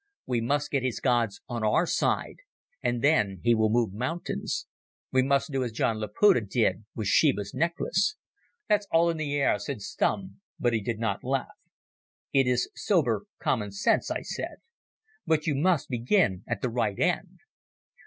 We must get his gods on our side, and then he will move mountains. We must do as John Laputa did with Sheba's necklace." "That's all in the air," said Stumm, but he did not laugh. "It is sober common sense," I said. "But you must begin at the right end.